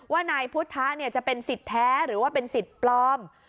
ว่านายพุทธะจะเป็นสิทธิ์แท้หรือว่าเป็นสิทธิ์ปลอม